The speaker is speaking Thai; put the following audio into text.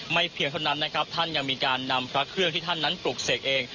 เพียงเท่านั้นนะครับท่านยังมีการนำพระเครื่องที่ท่านนั้นปลูกเสกเอง